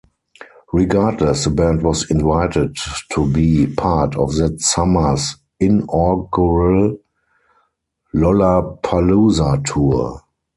Regardless, the band was invited to be part of that summer's inaugural Lollapalooza tour.